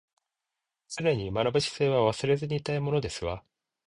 常に学ぶ姿勢は忘れずにいたいものですわ